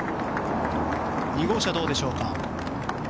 ２号車、どうでしょうか。